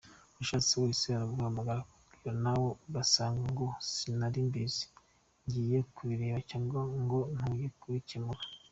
Ushatse wese araguhamagara akakubwira nawe ugasanga ngo sinarimbizi, ngiye kubireba cyangwa ngo tugiye kubikemura.